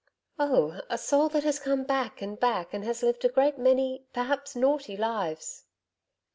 'Oh! A soul that has come back and back, and has lived a great many perhaps naughty lives.'